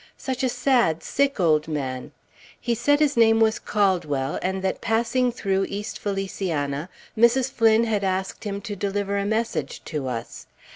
Such a sad, sick old man! He said his name was Caldwell, and that passing through East Feliciana, Mrs. Flynn had asked him to deliver a message to us.